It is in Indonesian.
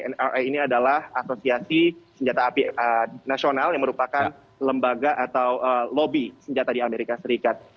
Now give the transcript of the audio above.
nra ini adalah asosiasi senjata api nasional yang merupakan lembaga atau lobby senjata di amerika serikat